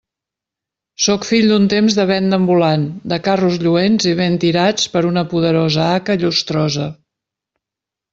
Sóc fill d'un temps de venda ambulant, de carros lluents i ben tirats per una poderosa haca llustrosa.